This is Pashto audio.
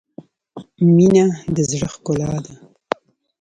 • مینه د زړۀ ښکلا ده.